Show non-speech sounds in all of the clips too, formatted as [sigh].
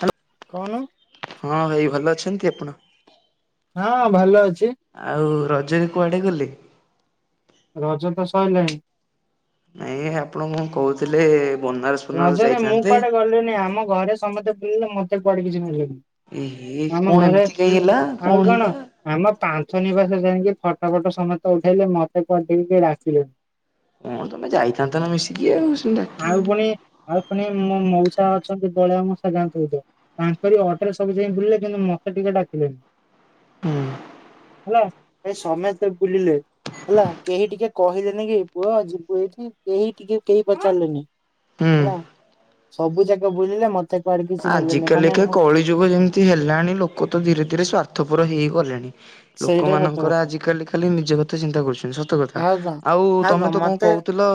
Hello କହୁନୁ ହଁ ଭାଇ ଭଲ ଅଛନ୍ତି କି ଆପଣ? ହଁ ଭଲ। ଅଛି ଆଉ ରଜରେ କୁଆଡେ ଗଲେ ରଜ ତ ସଇଲାନି। ନାଇଁ ଆପଣ କଣ କହୁଥିଲେ ବନାରସ ଫନାରସ ରଜରେ ମୁଁ ଯାଇଥାନ୍ତେ। କୁଆଡେ ଗଲିଣିି ଆମ ଘରେ ସମସ୍ତେ ବୁଲିଲେ ମତେ କୁଆଡେ କିଛି ନେ ଏ ହେ କଣ ଏମିତି କାହି ହେଲା କଣ ହେଲା? ପାଞ୍ଚ ନିବାସ ଯାଇକି ଫଟୋ ଫଟ ସମେ ଉଠେଇଲେ ମତେ ପଠିକି କେ ଡାକିଲେନି। କଣ ତମେ ଯାଇଥାନ୍ତ ନା ମିଶିକି ଆଉ ସେ ଆଉ ଡାକିଲେନି ପୁଣି ଆଉ ପୁଣି ମୋ ମଉସା ଅଛନ୍ତି ଦଳିଆ ମଷା [unintelligible] ତାଙ୍କରି ଅଟେରେ ସବୁ ଯାଇ ବୁଲିଲେ କିନ୍ତୁ ମ ମତେ ଟିକେ ଡାକିଲେନି। [unintelligible] ହେଲା ଏ ସମେତେ ବୁଲିଲେ ହେଲା କେହି ଟିକେ କହିଲେନି କି ପୁଅ ଯିବୁ ଏଇଠି କେହି ଟିକେ କେହି ପଚାରିଲେନି। ଉଁ। ହେଲା ସବୁ ଯାକ ବୁଲିଲେ। କୁଆଡେ କିଛି ଆଜି ନେଲେନି ମାନେ କାଲିକା ମୁଁ କଳି ଯୁଗ ଯେମିତି ହେଲାଣି ଲୋକ ତ ଧୀରେ ଧୀରେ ସ୍ଵାର୍ଥପର ହେଇଗଲେଣି। ଲୋକ ସେଇଟା ସତ ମାନଙ୍କର କଥା ଆଜିକାଲି ଖାଲି ନିଜ କଥା ଚିନ୍ତା କରୁଛନ୍ତି ସତ କଥା ଆଉ ତମେ ତ କଣ କହୁ କହୁଥିଲ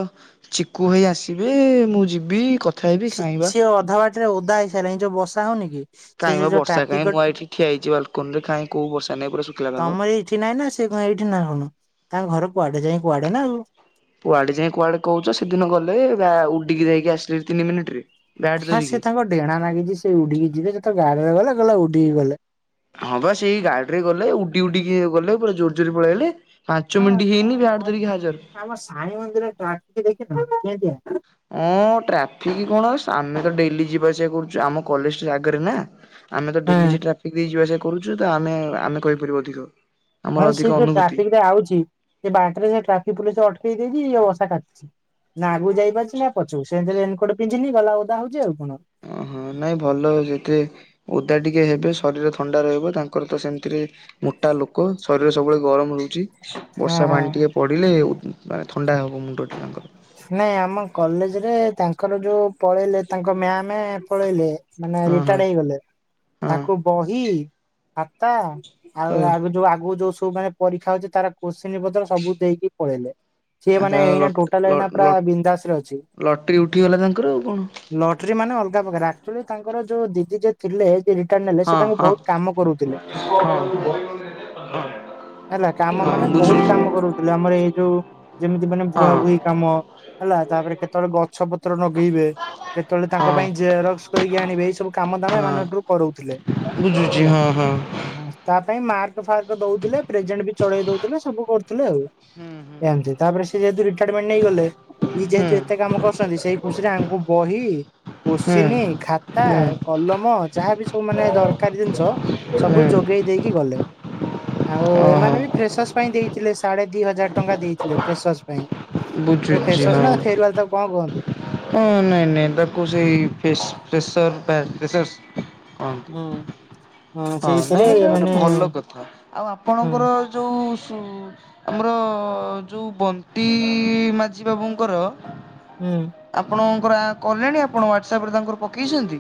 ଚିକୁ ଭାଇ ଆସିବେ ମୁଁ ଯିବି ହେବି ସି ଖାଇବା। ସିଏ ଅଧା ବାଟ ରେ ଓଦା ହେଇସାରିଲାଣି ଯୋଉ ବର୍ଷା ହଉନି ସେ କାଇଁ ସେ ବା ଯୋଉ ବର୍ଷା କାଇଁ ଟ୍ରାଫିକ ମୁଁ ଏଇଠି ଠିଆ ହେଇଛି ବାଲକୋନ ରେ କାଇଁ କଉ ବର୍ଷା ନାହିଁ ପୁରା ଶୁଖିଲା ପାଗ। ତ ଏଇଠି ନାହୁଣୁ କୁଆଡେ ଯାଇ କୁଆଡେ କହୁଚ ସେଦିନ ଗଲେ ବ୍ୟା ଉଡିକି ଯାଇକି ଆ ଦି ତିନି ମିିନିଟରେ। ହଁ ସେ ତାଙ୍କ ଡେଣା ନାଗିଚି ସେ ଉଡିକି ଯିବେ ଯେ ତ ଗାଡିରେ ଗଲେ କହିଲା ଉଡିକି ଗଲେ। ହଁ ବା ସେଇ ଗାଡିରେ ଗଲେ ଉଡି ଉଡିକି ଗଲେ ପୁରା ଜୋର ଜୋର ପଳେଇଲେ। ହଁ ଅମ୍ ଆମ ସାଣୀ ମନ୍ଦିର ଟାଙ୍କି ଦେଖିଥିଲ କେମିତିଆ ହଁ ଟ୍ରାଫିକ କଣ ଆମେ ତ ଡେଲି ଯିବାସିବା କରୁଚୁ ଆମ କଲେଜ ଟେ ଆଗେରେ ନା। ଆମେ ତ ହଁ। ଡେଲି ସେ ଟ୍ରାଫିକ ଦେଇ ଯିବା ଆସିବା କରୁଚୁ ତ ଆମେ ଆମେ କହିପାରିବୁ ଅଧିକ। ଆମର ହଁ ଅଧିକ ସିଏ ଯୋଉ ଅନୁଭୂତି ଟ୍ରାଫିକ ରେ ଆଉଚି ସେ ବାଟରେ ଟ୍ରାଫିକ ପୋଲିସ ଅଟକେଇ ତୀ ଇଏ ବସା କାନ୍ଦୁଚି ନା ଆଗକୁ ଯାଇପାରୁଚି ନା ପଛକୁ ସେମତି ରେନକୋଟ ପିନ୍ଧିନି ଗଲା ଓଦା ହଉଛି ଆଉ। କଣ। ଓହୋ ନାଇଁ ଭଲ ଯେତେ ଦା ଟିକେ ହେବେ ଶରୀର ଥଣ୍ଡା ରହିବ ତାଙ୍କର ତ ସେମତିରେ ମୋଟା ଲୋକ ଶରୀର ସବୁବେଳେ ଗରମ ରହୁଚି ହଁ ବର୍ଷା ହଁ ପାଣି ଟିକେ ପଡ଼ିଲେ ଓ ମାନେ ଥଣ୍ଡା ହେବ ମୁଣ୍ଡଟି ତାଙ୍କର। ନାଇଁ ଆମ କଲେଜରେ ତାଙ୍କର ଯୋଉ ପଳେଇଲେ ତାଙ୍କ ମ୍ୟାମ ପଳେଇଲେ ମାନେ ହଁ ହଁ ରିଟାଏଡ ହେଇଗଲେ ହଁ ତାଙ୍କୁ ବହି ଖାତା ଆଉ ହଁ ଆଗ ଯୋଉ ଆଗୁକୁ ଯୋଉ ସବୁ ମାନେ ପରୀକ୍ଷା ଅଉଛି ତାର କନ୍ସଚିନି ପତ୍ର ସବୁ ଦେଇକି ପଳେଇଲେ। ସେ ଆଉ ମାନେ ତା ଏଇନା ଟୋଟାଲେ ଲ ପୁରା ଲ ବିନ୍ଧାସରେ ଅଛି ଲଟେରୀ ଉଠିଗଲା ତାଙ୍କର ଆଉ କଣ ଲଟରୀ ମାନେ ପାଖରେ ଅକ୍ଚୁଲି ତାଙ୍କର ଯୋଉ ଦିଦି ଜେ ଥିଲେ ରିଟାର୍ଡ ନେଲେ ସେ ହଁ ତାଙ୍କୁ ହଁ ବହୁତ କାମ କରଉଥିଲେ। ହଁ ହେଲା କାମ ମାନେ ହଁ ବହୁତ ବୁଝୁଛି ହଁ କାମ କରଉଥିଲେ ଆମର ଏଇ ଯୋଉ ଯେମିତି ମାନେ ହଁ ବୁହାବୁହି କାମ ହେଲା ତାପରେ କେତେବେଳେ ଗଛ ପତ୍ର ନ ଗେଇବେ କେତେବେଳେ ତାଙ୍କ ହଁ ପାଇଁ ଜେରକ୍ସ କରିକି ଆଣିବେ ଏଇ ସବୁ କାମ ଦାମ ଏମାନଙ୍କଠୁ କରଉଥିଲେ ବୁଝୁଛି ହେଲା ହଁ ହଁ ତା ପାଇଁ ମାର୍କ କା ଫାର୍କ ଦଉଥିଲେ ପ୍ରେଜେଣ୍ଟ ବି ଚଳେଇ ଦଉଥିଲେ ସବୁ କରୁଥିଲେ ଆଉ। ହୁଁ ଏମତି ତାପରେ ସେ ଯେହେତୁ ରିଟାୟାରମେଣ୍ଟ ନେଇଗଲେ ଇଏ ଯେହେତୁ ଏତେ କାମ କରୁଛନ୍ତି ସେଇ ଖୁସିରେ ୟାଙ୍କୁ ବହି ହୁଁ କୋସଚିନି ଖାତା ହୁଁ କଲମ ଯାହାବି ସବୁ ମାନେ ଦରକାର ଜିନିଷ ହୁଁ ସବୁ ଯୋଗେଇ ଦେଇକି ଗଲେ। ଆଉ ଏମାନେ ବି ଓହୋ ଫ୍ରେସୱାସ ପାଇଁ ଦେଇଥିଲେ ସାଢେ ଦି ହଜାର ଟଙ୍କା ଦେଇଥିଲେ ଫେସୱାସ ପାଇଁ। ତାକୁ ବୁଝୁଛି ଫେସୱାସ ହଁ ନା ଫେରୱାଲ ତାକୁ କଣ କହ ହଁ ନାଇ ନାଇ ତାକୁ ସେଇ ଫେସ ଫ୍ରେସର ଫ୍ରେସର୍ଷ କହନ୍ତି। ହୁଁ। ହଁ ସେଇଥିରେ ନାଇଁ ଏଇଟା ଗୋଟେ ମାନେ ଭଲ କଥା ଆଉ ହୁଁ ଆପଣଙ୍କର ଯୋଉ ସୁ ଆମର ଯଉ ବଣ୍ଟି ମାଝୀ ବାବୁଙ୍କର ହୁଁ ଆପଣଙ୍କର କଲେଣି ଆପଣ ହ୍ୱାଟ୍ସଅପ ରେ ତାଙ୍କର ପକେଇଛନ୍ତି।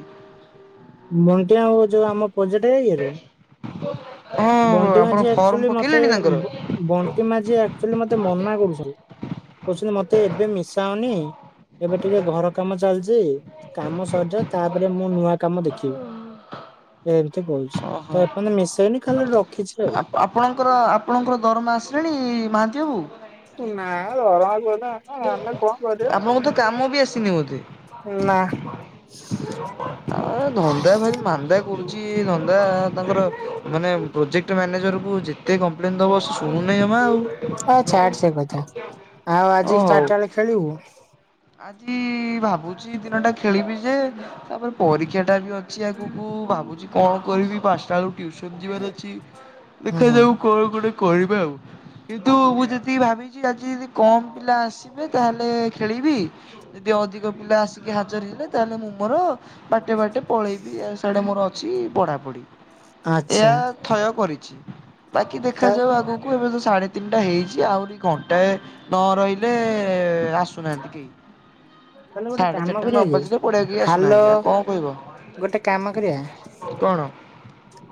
ମଣ୍ଟିଆ ଆଉ ଯୋଉ ଆମ ପଯେଟେ ଇଏରେ [inaudible] ବଣ୍ଟି ଆପଣ ମାଝି ଫର୍ମ ଏକଚୁଲି ମତେ ପକେଇଲେଣି ତାଙ୍କର? ମନା କରୁଛନ୍ତି। କହୁଛନ୍ତି ମତ ତେ ଏବେ ମିଶାଅନି ଏବେ ଟିକେ ଘର କାମ ଚାଲିଛି କାମ ସରିଯାଉ ତାପରେ ମତେ ମୁଁ ନୂଆ କାମ ଦେଖୀବି ଏମିତି କହୁଛି ତ ଏପର୍ଯ୍ୟନ୍ତ ମିଶେଇନି ଖାଲି ରଖିଛି ଆଉ। ଆପ ଆପଣଙ୍କର ଆପଣଙ୍କର ଦରମା ଆସିଲାଣି ମହାନ୍ତି ବାବୁ। ନାଁ ଦରମା [unintelligible] ଆମେ କଣ? କରିବା? ଆପଣଙ୍କର ତ କାମ ବି ଆସିନି ବୋଧେ। ନା। ଆ ଧନ୍ଦା ଭାରି ମାନ୍ଦା କରୁଛି ଧନ୍ଦା ତାଙ୍କର ମାନେ ପ୍ରୋଜେକ୍ଟ ମ୍ୟାନେଜର କୁ ଯେତେ କମ୍ପ୍ଲେନ ଦବ ଶୁଣୁନାହିଁ ଜମା ଆଉ। ଛାଡ୍ ସେ କଥା। ଆଉ ଓ ଆଜି ହଉ। ଚାରିଟା ବେଳେ ଖେଳିବୁ? ଆଜି ଭାବୁଛି ଦିନଟା ଖେଳିବି ଯେ ତାପରେ ପରୀକ୍ଷାଟା ବି ଅଛି ଆଗକୁ ଭାବ ଭାବୁଛି କଣ କରିବି ପାଞ୍ଚଟା ବେଳକୁ ଟିଉସନ ଯିବାର ଅଛି ହୁଁ ଦେଖାଯାଉ କଣ ଗୋଟେ କରିବେ ଆଉ କିନ୍ତୁ ମୁଁ ଯେତିକି ଭାବିଛି ଆଜି ଯଦି କମ ପିଲା ଆସିବେ ତାହେଲେ ଖେଳିବି ଯଦି ଅଧିକ ପିଲା ଆସିକି ହାଜର ହେଲେ ତାହେଲେ ମୁଁ ମୋର ବାଟେ ବାଟେ ପଳେଇବି ସେଆଡେ ମୋର ଅ ଛି ପଢାପଢି ଆଚ୍ଛା ଏହା ଥୟ କରିଛି। ବାକି ତା ଦେଖାଯାଉ ଆଗକୁ ଏବେ ତ ସାଢ଼େ ତିନିଟା ହେଇଛି ଆହୁରି ଘଣ୍ଟାଏ ନ ରହିଲେ ଆସୁନାହାନ୍ତି କେହି। ତାହେଲେ ଗୋଟେ ସାଢେ କାମ ଚାରିଟା କରିବା ନ କି ବାଜିଲେ ପଡିଆକୁ କେହି ହାଲୋ। ଆସୁନାହାନ୍ତି ଆଉ କଣ କହିବ ଗୋଟେ କାମ କରିବା। କଣ?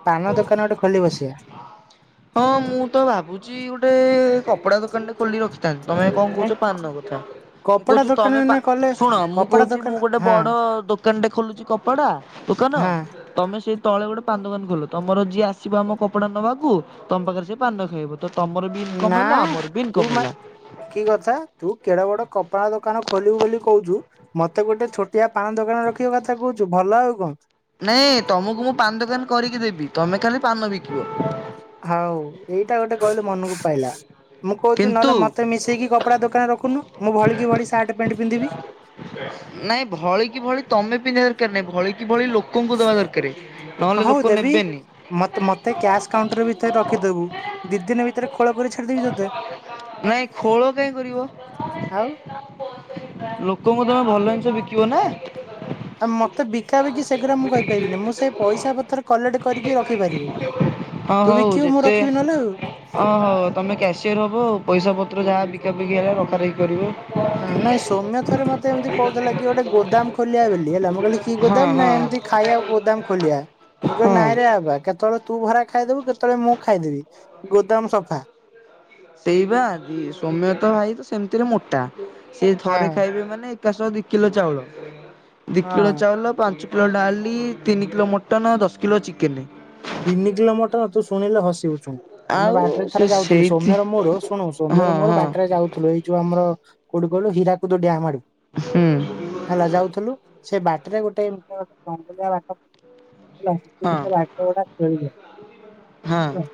ପାନ ଦୋକାନ ଗୋଟେ ଖୋଲି ବସିବା। ହଁ ମୁଁ ତ ଭାବୁଛି ଗୋଟେ କପଡା ଦୋକାନ ଟେ ଖୋଲିକି ରଖି ଥାନ୍ତି ତମେ କଣ ନାଇଁ କହୁଛ ପାନ କଥା ମୁଁ କପଡା କହୁଛି ଦୋକାନ ତମେ ପା ଏଇନା କଲେ ଶୁଣ ମୁଁ କପଡା କହୁଛି ଦୋକାନ ମୁଁ ଗୋଟେ ହଁ ବଡ ଦୋ କାନ ଟେ ଖୋଲୁଛି କପଡା ଦୋକାନ ହଁ ତମେ ସେଇ ତଳେ ଗୋଟେ ପାନ ଦୋକାନ ଖୋଲ ତମର ଯିଏ ଆସିବ ଆମ କପଡା ନବାକୁ ତମ ପାଖରେ ସିଏ ପାନଟା ଖାଇବ। ତ ତମର ବି ଇନକମ ନା ହେଲା ଆମର ବି ତୁ ଇନକମ ମା ହେଲା। କି କଥା ତୁ କେଡ ବଡ କପଡ଼ା ଦୋକାନ ଖ ଖୋଲିବୁ ବୋଲି କହୁଛୁ ମତେ ଗୋଟେ ଛୋଟିଆ ପାନ ଦୋକାନ ରଖିବା କଥା କହୁଛୁ ଭଲ ଆଉ କଣ? ନାଇଁ ତମକୁ ମୁଁ ପାନ ଦୋକାନ କରିକି ଦେବି ତମେ ଖାଲି ପାନ ବିକ ହଉ ଏଇଟା ଗୋଟେ କହିଲୁ ମନକୁ ପାଇଲା। ମୁଁ କହୁଛି କିନ୍ତୁ ନହେଲେ ମତେ ମିଶେଇକି କପଡ଼ା ଦୋକାନରେ ରଖୁନୁ ମୁଁ ଭଳିକି ଭଳି ସାର୍ଟ ପ୍ୟାଣ୍ଟ ପିନ୍ଧିବି। ନାଇଁ ଭଳି କି ଭଳି ତମେ ପିନ୍ଧିବା ଦରକାର ନାଇଁ ଭଳି କି ଭଳି ଲୋକଙ୍କୁ ଦବା ଦରକାରେ। ହଉ ଦେବି ମୋତ-ମତେ କ୍ୟାସ୍ କାଉଣ୍ଟର ଭିତରେ ରଖିଦବୁ ଦି ଦିନ ଭିତରେ ଖୋଳ କରି ଛାଡି ଦେବି ତୋତେ। ନାଇଁ ଖୋଳ କାଇଁ କରିବ ଆଉ ଲୋକଙ୍କୁ ତମେ ଭଲ ଦି ବିକିବନା। ଆମ ତ ବିକାବିକି ସେଗୁରା ମୁଁ କହିପାରିବିନି। ମୁଁ ସେ ପଇସା ପତ୍ର କଲେକ୍ଟ କରିକି ରଖିପାରିବି। ହଁ ତୁ ହଉ ବିକିବୁ ମୁଁ ଯେତେ ରଖିବି ନହେଲେ ଆଉ। ହଁ ହଉ ତମେ କ୍ୟାସିୟର ହବ ଆଉ ପଇସା ପ ପତ୍ର ଯାହା ବିକା ବିକି ହେଲା ରଖାରଖି କରିବ। ହଁ ନାଇଁ ସୋମ୍ୟ ଥରେ ମତେ ଏମିତି କହୁଥିଲା କି ଗୋଟେ ଗୋଦାମ ଖୋଲିବା ବୋଲି ହେଲା ମୁଁ କହିଲି କି ହଁ ଗୋଦାମ ନା ହଁ ଏମିତି ଖାଇବାକୁ ଗୋଦାମ ଖୋଲିବା। ମୁଁ କହିଲି ହଁ ନାଇଁରେ ବାବା କେତେବେଳେ ତୁ ଭରା ଖାଇଦେବୁ, କେତେବେଳେ ମୁଁ ଖାଇଦେବି ଗୋଦାମ ସଫା। ସେଇ ବା ଦି ସୋମ୍ୟତ ଭାଇ ତ ସେମିତିରେ ମୋଟା, ସେ ହଁ ଥରେ ଖାଇବେ ମାନେ ଏକାଶହ ଦି କିଲୋ ଚାଉଳ ଦି ହଁ। କିଲୋ ଚାଉଳ ପାଞ୍ଚ କିଲୋ ଡାଲି ତିନି କିଲୋ ମଟନ୍ ଦଶ କିଲୋ ଚିକେନ୍। ତିନି କିଲୋ ମଟର ତୁ ଶୁଣିଲେ ହସିବୁ। ବୁ ଶୁଣୁ, ଆମେ ଆଉ ବାଟରେ ସେ ଥରେ ଯାଉଥୁଲୁ ସେଇଥି ସୋମ୍ୟର ମୋର ଶୁଣୁ ହଁ ସୋମ୍ୟର ମୋର ହଁ ବାଟରେ ଯାଉଥୁଲୁ। ଏଇ ଯୋଉ ଆମର କୋଉଠି କହିଲୁ ହୀରାକୁଦୁ ଡ୍ୟାମ ଆଡକୁ, ହୁଁ ହେଲା ଯାଉଥୁଲୁ। ସେ ବାଟରେ ଗୋଟେ [unintelligible] ଜଙ୍ଗଲିଆ ବାଟ [unintelligible] ହେଲା ହଁ [unintelligible] ହଁ। ହେଲା।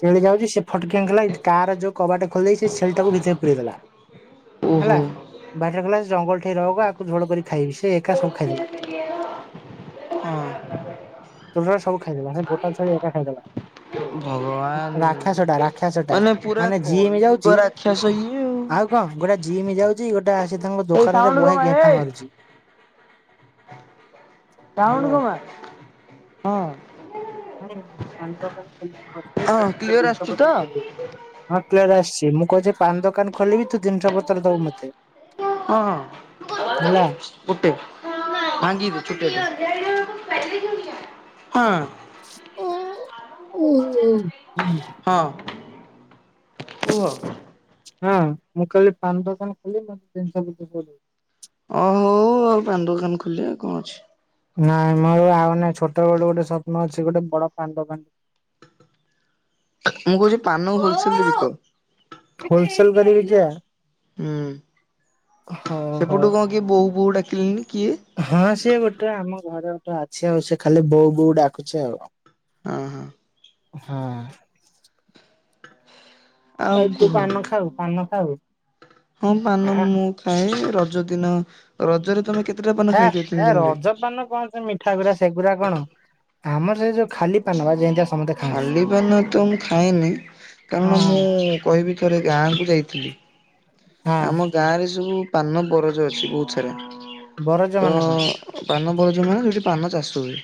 ଛେଳି ଯାଉଛି ସେ ଫଟକିନ ଗଲା କାର ଯୋଉ କବାଟ ଖୋଲିଦେଇକି ସେ ଛେଳି ତାକୁ ଭିତରେ ପୁରେଇ ଦେଲା। ହେଲା, ଓହୋ। ବାଟରେ କହିଲା ଜଙ୍ଗଲ ଠେଇ ରଖ ଆକୁ ଝୋଳ କରି ଖାଇବି ସେ ଏକା ସବୁ ଖାଇଦେଲା। ହଁ ଟୋଟାଲ ସବୁ ଖାଇଦେଲା ସେ ଗୋଟା ଛେଳି ଏକା ଖାଇଦେଲା। ଭଗବାନ ଅରାକ୍ଷସ ଟା ରାକ୍ଷସ ଟା ପୁରା ମାନେ କଳି ଜିମି ଯୁଗ ଯାଉଛି। ରାକ୍ଷସ ଇଏ ଆଉ କଣ ଗୋଟେ ଜିମ ଯାଉଛି। ଗୋଟେ ଆସି ତାଙ୍କ ଏଇ ଦୋକାନ ରେ ସାଉଣ୍ଡ ବହେ କମା ଗେମ୍ଫା ଏଇ ମାରୁଛି। ହାଲୋ ସାଉଣ୍ଡ କମା ହଁ। [unintelligible] ହଁ ଆସୁଛି ତ? କ୍ଲିୟର ଆସିଛି। ମୁଁ କହୁଛି ପାନ ଦୋକାନ ଖୋଲିବି ତୁ ଜିନିଷ ପତ୍ର ଦବୁ ମତେ। ହଁ ହେଲା। ଗୋଟେ ଭାଙ୍ଗିିବୁ ଛୁଟିଆଟେ। [unintelligible] ଓ ଓ। ହଁ କୁହ। ହଁ ମୁଁ କାଲି ପାନ ଦୋକାନ ଖୋଲିବି ମତେ ତିନିଶହ [unintelligible] ଓ ହୋଉ ପାନ ଦୋକାନ ଖୋଲିବା କଣ ଅଛି। ନାଇଁ ମ ଆଉ ନାଇଁ, ଛୋଟ ବେଳୁ ଗୋଟେ ସ୍ୱପ୍ନ ଅଛି ଗୋଟେ ବଡ ପାନ ଦୋକାନ ମୁଁ କହୁଛି ପାନ ହୋଲସେଲରେ ବିକ। ହୋଲସେଲ କରିବି ଯେ ହୁଁ ହଉ ହଉ ସେପଟୁ କଣ କିଏ ବୋଉ ବୋଉ ଡାକିଲେଣିି କିଏ। ହଁ ସିଏ ଗୋଟେ ଆମ ଘରେ ଗୋଟେ ଅଛି। ଆଉ ସେ ଖାଲି ବୋଉ ବୋଉ ଡାକୁଛି ଆଉ। ହଁ ହଁ। ହଁ। ଆଉ ତୁ ପାନ ଖାଉ ପାନ ଖାଉ? ହଁ ପାନ ଆଁ ମୁଁ ଖାଏ, ରଜ ଦିନ ରଜରେ ତମେ କେତେ ହେ ଏ ରଜ ପାନ କଣ ସେ ମିଠା ଗୁରା ସେଗୁରା କଣ। ଆମର ସେ ଯୋଉ ଖାଲି ପାନ ବା ଯେମତିଆ। ଖାଲି ପାନ ତ ମୁଁ ଖାଇନି, ହଁ କାରଣ ହଁ ମୁଁ କହିବି ଥରେ ଗାଁ କୁ ଯାଇ ଥିଲି, ହଁ ଆମ ଗାଁ ରେ ସବୁ ପାନ ବରଜ ଅଛି ବହୁତ ସାରା। ବରଜ ତ ମାନେ କଣ? ପାନ ବରଜ ମାନେ ସେଠି ପାନ ଚାଷ ହୁଏ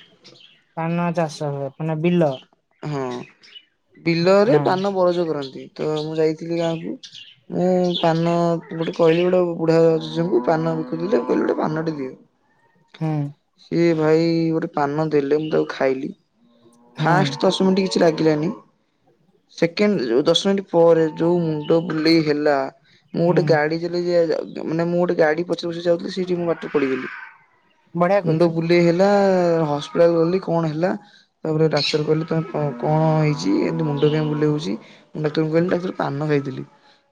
ପାନ ଚାଷ ହୁଏ ମାନେ ବିଲ। ହଁ ବିଲରେ ହଁ ପାନ ବରଜ କରନ୍ତି। ତ ମୁଁ ଯାଇଥିଲି ଗାଁକୁ, ମୁଁ ପାନ ଗୋଟେ କହିଲି ଗୋଟେ ବୁଢ଼ାବା ଜେଜେଙ୍କୁ ପାନ ବିକୁଥିଲେ ମୁ କହିଲି ଗୋଟେ ପାନଟେ ଦିଅ। ହୁଁ। ଏ ଭାଇ ଗୋଟେ ପାନ ଦେଲେ ମୁଁ ତାକୁ ଖାଇଲି ହୁଁ ଫାଷ୍ଟ ଦଶ ମିନିଟ କିଛି ଲାଗିଲାନି ସେକେଣ୍ଡ ଦଶ ମିନିଟ ପରେ ଯୋଉ ମୁଣ୍ଡ ବୁଲେଇ ହେଲା ମୁଁ ହୁଁ ଗୋଟେ ଗାଡି ଚଲେଇ ଆ ମାନେ ମୁଁ ଗୋଟେ ଗାଡି ପଛେ ପଛେ ଯାଉଥିଲି ସେଇଠି ମୁଁ ବାଟରେ ପଡିଗଲି। ବଢିଆ ମୁଣ୍ଡ କରୁଛୁ ବୁଲେଇ ହେଲା। ତା ହସ୍ପିଟାଲ ଗଲି କଣ ହେଲା ତାପରେ ଡାକ୍ତର କହିଲେ ତ ତମେ କ କଣ ହେଇଚି ଏମିତି ମୁ ମୁଣ୍ଡ କାଇଁ ବୁଲେଇ ହଉଚି, ଡାକ୍ତରଙ୍କୁ କହିଲି ଡାକ୍ତର ପାନ ପାଇଥିଲ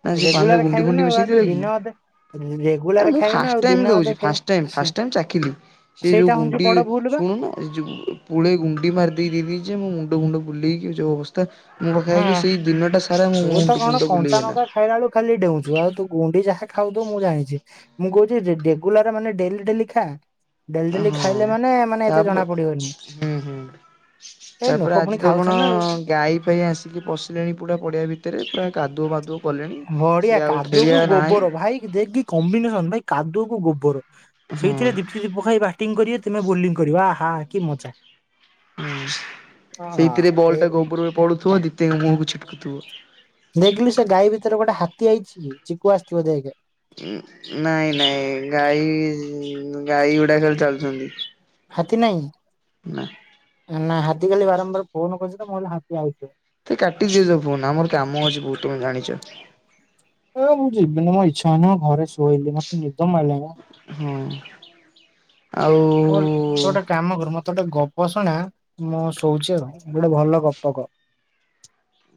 ନା ସେପା ନରେ ରେଗୁଲାର ଗୁଣ୍ଡି ଖାଇବୁ ନା ଗୁଣ୍ଡି ଆଉ ମିଶେଇ ଆଉ ତୁ ଦେଲା କି? ଦିନେ ଅଧେ ରେଗୁଲାର ମୁ ଖାଇବୁ ନା ଫାଷ୍ଟ ଆଉ ଟାଇମ୍ ଦିନେ ଅଧେ ଦଉଚି ଖାଇବୁ ଫ୍ୟାଷ୍ଟ ଟାଇମ୍ ସେ ଫାଷ୍ଟଟାଇମ୍ ଚାଖିଲି ସେ ଯୋଉ ସେଇଟା ହଉଛି ଗୁଣ୍ଡି ବଡ ଭୁଲ ବା ଶୁଣୁନୁ ଏ ଯେଉଁ ପୁଳେ ଗୁଣ୍ଡି ମାରି ଦେଇଦେଇଚନ୍ତି ମୋ ମୁଣ୍ଡ ଫୁଣ୍ଡ ବୁଲେଇକି ଯୋଉଁ ଅବସ୍ଥା। ମୋତେ ଆଜି ହଁ ସେଇ ଦିନଟା ସାରା ମୁଁ ତୁ ତ ମୁଣ୍ଟ କଣ ମୁଣ୍ଡ ବୁଲିେଇ କଞ୍ଚା ହେଲା। ଲଙ୍କା ଖାଇଲା ବେଳୁ ଖାଲି ଡେଉଁଛୁ ଆଉ ଗୁଣ୍ଡି ଯାହା ଖାଉଥାଉ ମୁଁ ଜାଣିଚି ମୁଁ କହୁଚି ରେଗୁଲାର ମାନେ ଡେଲି ଡେଲି ଖା। ଡେଲି ଡେଲି ହଁ ଖାଇଲେ ମାନେ ମାନେ ଏତେ ଜଣା ତାପରେ ପଡିବନି। ହୁଁ ହୁଁ ଏ ତାପରେ ଲୋକ ପୁଣି ଆଜି ତ କଣ ଖାଉଛନ୍ତି ନା ଆଉ। ଗାଈ ଫାଇ ଆସି ପଶିଲେଣି ପୁରା ପଡ଼ିଆ ଭିତରେ ପୁରା କାଦଅବାଦୁଅ। ବଢିଆ କାଦୁଅକୁ ଗୋବର ଭାଇ ଦେକି କମ୍ବିନେସନ ଭାଇ କାଦୁଅକୁ ଗୋବର ହଁ ସେଇଥିରେ ଦୀପ୍ତି ଦୀପ ଭାଇ ବ୍ୟାଟିଂ କରିବେ ତୁମେ ବୋଲିଂ କରିବ ଆହ। ଆ କି ମଜା। ହୁଁ ହଁ। ସେଇଥିରେ ବଲ୍ ଏ ଟା ଗୋବରରେ ପଡୁଥିବ ଦିତିଙ୍କ ମୁହକୁ ଛିଟକୁଥିବ। ଦେଖିଲୁ ସେ ଗାଈ ଭିତରେ ଗୋଟେ ହାତୀ ଆଇଚି କି ଚିକୁ ଆସିଥିବ ଦେଖେ ଉଁ ନାଇଁ ନାଇଁ ଗାଈ ଗାଈ ଗୁଡାକ ଚାଲୁଚନ୍ତି। ହାତୀ ନାଇଁ ନା ହାତୀ ଖାଲି ବାରମ୍ବାର ଫୋନ କରୁଚି ତ ମୁ କହିଲି ହାତୀ ଆଉଚି। ତେ କାଟିଦିଅ ତୋ ଫୋନ୍ ଆମର କାମ ଅଛି ବହୁତ ତମେ ଜାଣିଛ ଏ ମୁଁ ଯିବିନି ମୋ ଇଚ୍ଛା ହୋଉନି ଘରେ ଶୋଇଲି ମତେ ନିଦ ମାଡି ଲାଣି ବା। ହଁ ଆଉ ଓଲ ତୁ ଗୋଟେ କାମ କରେ ମ ତ ଗୋଟେ ଗପ ଶୁଣା ମୁଁ ଶୋଉଚି ଆଉ ଗୋଟେ ଭଲ ଗପ କହ।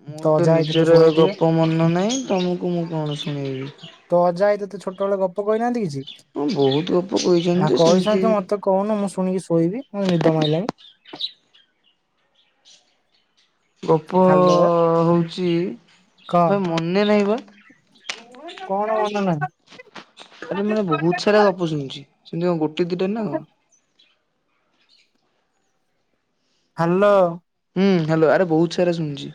ମୋର ତୋ ତ ଅଜା ଆଇ ତତେ ନିଜର ଶୁଣେଇଥିବେ ଗପ ମନ ନାହିଁ ତମକୁ ମୁଁ କଣ ଶୁଣେଇବି। ତ ଅଜା ଆଇ ତତେ ଛୋଟବେଳେ ଗପ କହିନାହାନ୍ତି କିଛି ହଁ ବହୁତ ଗପ କହିଚନ୍ତି ଯେ ସେମିତି ତ କହୁନ ମୁଁ ଶୁଣିକି ଶୋଇବି ମତେ ନିଦ ମାଇଲାଣି। ଗପ ହାଲୋ ହଉଚି କହ ବେ ମନେ ନାହିଁ ବା। କଣ ମନେ ନାହିଁ। ଆରେ ମାନେ ବହୁତ ସାରା ଗପ ଶୁଣିଚି ସେମିତି କଣ ଗୋଟେ ଦିଟା ନା କଣ। ହାଲୋ। ହୁଁ ହାଲୋ ଆରେ ବହୁତ ସାରା ଶୁଣିୁଚି।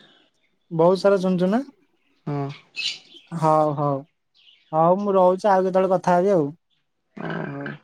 ବହୁତ ସାରା ଶୁଣିଚୁ ନା। ହଁ। ହଉ ହଉ ହଉ ମୁଁ ରହୁଚି ଆଉ କେତେବେଳେ କଥା ହେବି ଆଉ। ଓ ହୋ।